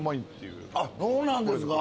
そうなんですか。